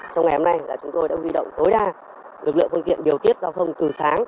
trong ngày hôm nay chúng tôi đã huy động tối đa lực lượng phương tiện điều tiết giao thông từ sáng